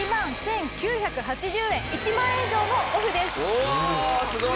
おおすごい！